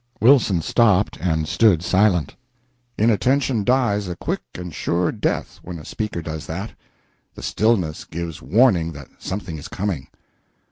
Wilson stopped and stood silent. Inattention dies a quick and sure death when a speaker does that. The stillness gives warning that something is coming.